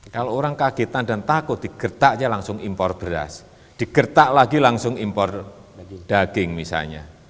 kalau orang kagetan dan takut digertaknya langsung impor beras digertak lagi langsung impor daging misalnya